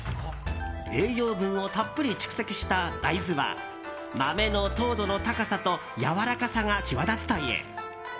栄養分をたっぷり蓄積した大豆は豆の糖度の高さとやわらかさが際立つという。